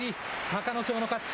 隆の勝の勝ち。